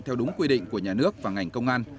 theo đúng quy định của nhà nước và ngành công an